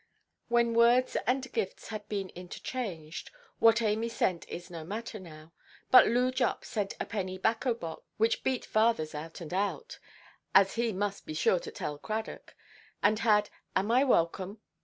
When words and gifts had been interchanged—what Amy sent is no matter now; but Loo Jupp sent a penny 'bacco–box, which beat fatherʼs out and out (as he must be sure to tell Cradock), and had "Am I welcome?"